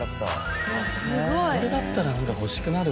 これだったら欲しくなるわ。